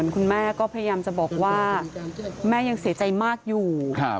คุณแม่ก็พยายามจะบอกว่าแม่ยังเสียใจมากอยู่